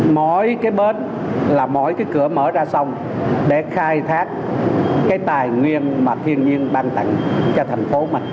mỗi cái bến là mỗi cái cửa mở ra sông để khai thác cái tài nguyên mà thiên nhiên ban tặng cho thành phố mình